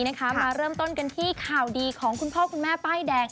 มาเริ่มต้นกันที่ข่าวดีของคุณพ่อคุณแม่ป้ายแดง